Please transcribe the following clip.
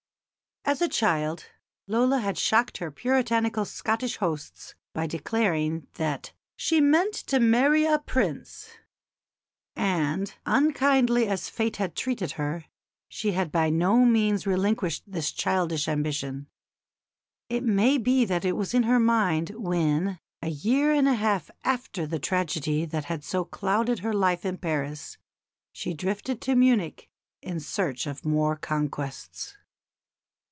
As a child Lola had shocked her puritanical Scottish hosts by declaring that "she meant to marry a Prince," and unkindly as fate had treated her, she had by no means relinquished this childish ambition. It may be that it was in her mind when, a year and a half after the tragedy that had so clouded her life in Paris, she drifted to Munich in search of more conquests.